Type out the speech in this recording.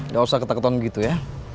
gak usah ketakutan gitu ya